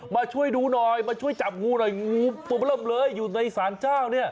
มาช่วยดูหน่อยมาช่วยจับงูหน่อยงูตัวเริ่มเลยอยู่ในสารเจ้าเนี่ย